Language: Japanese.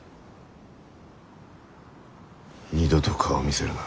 二度と顔を見せるな。